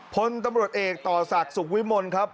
พลตำรวจเอกต่อศักดิ์สุขวิมลครับ